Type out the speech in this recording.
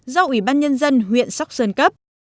do ủy ban nhân dân huyện sóc sơn cấp